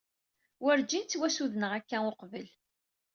Werǧin ttwassudneɣ akka uqbel.